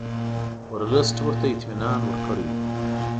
ورلسټ ورته اطمینان ورکړی وو.